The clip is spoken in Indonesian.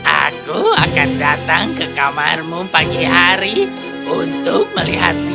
aku akan datang ke kamarmu pagi hari untuk melihat dia mati